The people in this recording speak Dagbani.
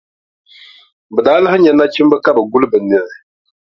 Bɛ daa lahi nya nachimba ka bɛ guli bɛ niɣi.